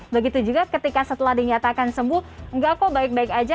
begitu juga ketika setelah dinyatakan sembuh enggak kok baik baik aja